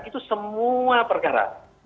itu semua perkara